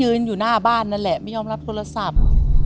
อยู่หน้าบ้านนั่นแหละไม่ยอมรับโทรศัพท์